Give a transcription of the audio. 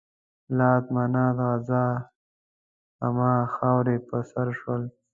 لات، منات، عزا همه خاورې په سر شول.